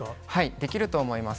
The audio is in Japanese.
できるとは思います。